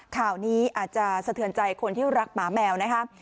ข่าวนี้อาจจะสะเทือนใจคนที่รักหมาแมวนะครับ